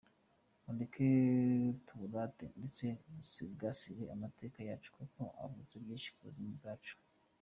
Mureke tuwurate ndetse dusigasire amateka yacu kuko avuze byinshi mu buzima bwacu.